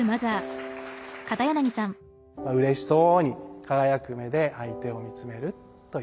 うれしそうに輝く目で相手を見つめるというね。